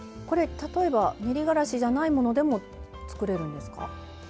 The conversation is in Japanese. これ例えば練りがらしじゃないものでも作れるんですか？